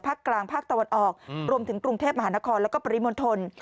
กลางภาคตะวันออกรวมถึงกรุงเทพมหานครแล้วก็ปริมณฑล